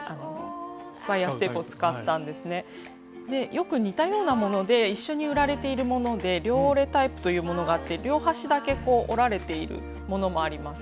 よく似たようなもので一緒に売られているもので両折れタイプというものがあって両端だけ折られているものもあります。